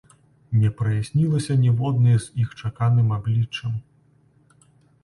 Не праяснілася ніводнае з іх чаканым абліччам.